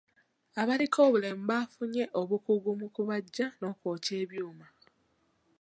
Abaliko obulemu baafunye obukugu mu kubajja n'okwokya ebyuma.